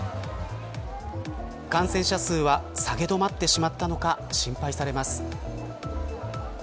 感染者数は下げ止まってしまったのか心配されます。